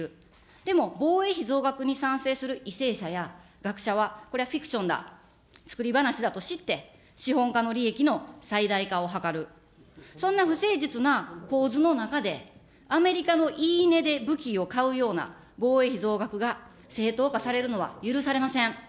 でも防衛費増額に賛成する為政者や、学者は、これはフィクションだ、作り話だと知って、資本家の利益の最大化を図る、そんな不誠実な構図の中で、アメリカの言い値で武器を買うような防衛費増額が正当化されるのは許されません。